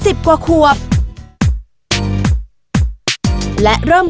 พี่ดาขายดอกบัวมาตั้งแต่อายุ๑๐กว่าขวบ